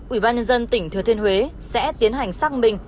ủy ban nhân dân tỉnh thừa thiên huế sẽ tiến hành xác minh